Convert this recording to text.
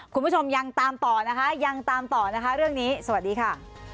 คุณผู้ชมยังตามต่อนะคะเรื่องนี้สวัสดีค่ะ